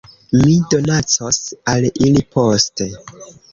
Mi donacos al ili poste